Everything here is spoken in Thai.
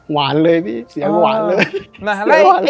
หวานเลยพี่เสียงหวานเลย